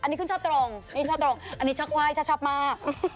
นี่ช้อตรงอันนี่ช้อใครช้อชอบมา